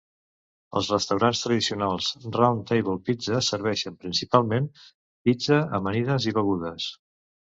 Els restaurants tradicionals Round Table Pizza serveixen principalment pizza, amanides i begudes.